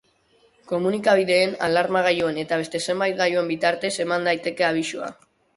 Komunikabideen, alarma-gailuen eta beste zenbait gailuen bitartez eman daiteke abisua.